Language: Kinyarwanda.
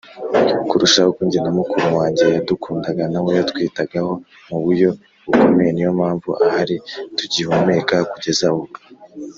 kurusha uko jye na mukuru wanjye yadukundaga nawe yatwitagaho mu buyo bukomeye niyo mpamvu ahari tugihumeka kugeza ubu.